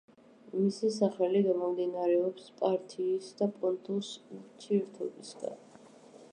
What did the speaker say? მისი სახელი გამომდინარეობს პართიის და პონტოს ურთიერთობისგან.